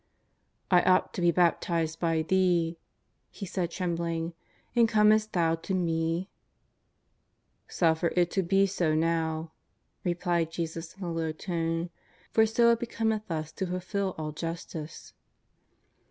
" I ought to be baptized by Thee," he said trembling, *^ and comest Thou to me ?"" Suffer it to be so now," replied Jesus in a low tone, " for so it becometh us to fulfil all justice."